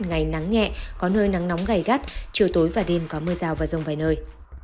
ngày nắng nhẹ có nơi nắng nóng gai gắt chiều tối và đêm có mưa rào và rông vài nơi